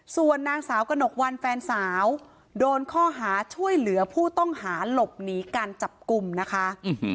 ส่วนนางสาวกระหนกวันแฟนสาวโดนข้อหาช่วยเหลือผู้ต้องหาหลบหนีการจับกลุ่มนะคะ